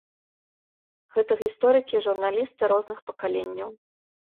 Гэта гісторыкі і журналісты розных пакаленняў.